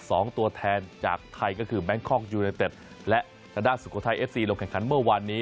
สองตัวแทนจากไทยก็คือแบงคอกยูเนเต็ดและทางด้านสุโขทัยเอฟซีลงแข่งขันเมื่อวานนี้